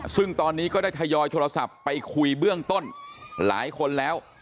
ซึ่งตอนนี้ก็ได้ทยอยโทรศัพท์ไปคุยเบื้องต้นหลายคนแล้ว